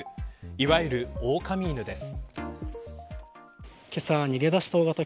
いわゆるオオカミ犬です。